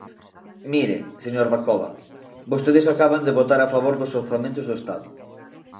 Mire, señor Dacova, vostedes acaban de votar a favor dos orzamentos do Estado.